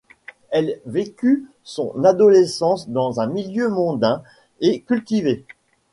Elle vécut son adolescence dans un milieu mondain et cultivé.